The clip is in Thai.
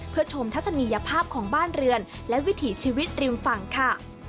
เพื่อชมทัศนียภาพของบ้านเรือนและวิถีชีวิตริมฝั่งค่ะ